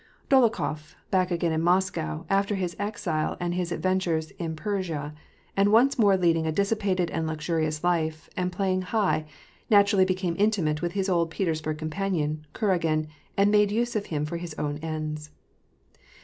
Dolokhof, back again in Moscow, after his exile and his ad ventures in Persia, and once more leading a dissipated and luxurious life and playing high, naturally became intimate with his old Petersburg companion, Kuragin, and made use of him for his own ends.